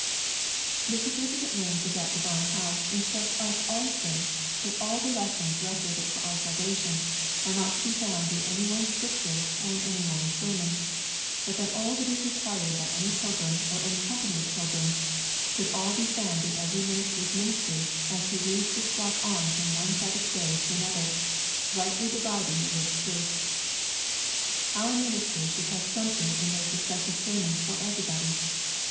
The significant rooms of that divine house instruct us also that all the lessons requisite for our salvation are not to be found in any one scripture or in any one sermon, but that all that is required by any pilgrim or any company of pilgrims should all be found in every minister's ministry as he leads his flock on from one Sabbath day to another, rightly dividing the word of truth. Our ministers should have something in their successive sermons for everybody.